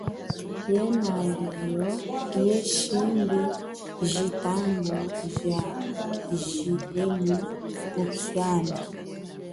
Yenayo ye shimbi jitangu nyi jilemu kuhiana.